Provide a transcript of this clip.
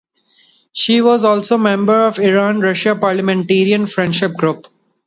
She was also a member of the Iran-Russia Parliamentarian Friendship Group.